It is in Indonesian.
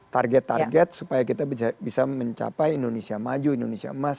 target target supaya kita bisa mencapai indonesia maju indonesia emas dua ribu empat puluh lima